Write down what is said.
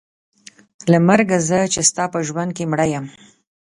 له مرګه زه چې ستا په ژوند کې مړه یم.